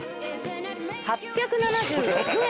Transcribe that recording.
８７６円！